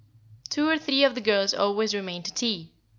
"Two or three of the girls always remain to tea.